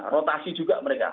rotasi juga mereka